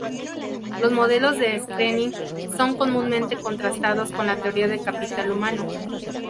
Los modelos de screening son comúnmente contrastados con la teoría de capital humano.